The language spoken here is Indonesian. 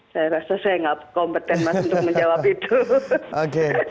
saya rasa saya nggak kompeten mas untuk menjawab itu